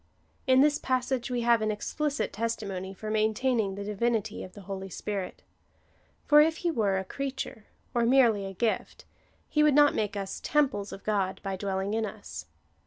In this passage we have an explicit testimony for maintaining the divinity of the Holy Spirit. For if he were a creature, or merely a gift, he would not make us temples of God, by dwelling in us.